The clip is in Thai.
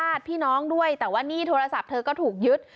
ญาติพี่น้องด้วยแต่ว่าหนี้โทรศัพท์เธอก็ถูกยึด